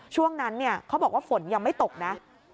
ช่วงนั้นเขาบอกว่าฝนยังไม่ตกนะ